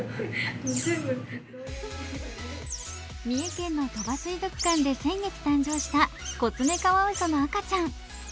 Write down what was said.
三重県の鳥羽水族館で先月誕生したコツメカワウソの赤ちゃん。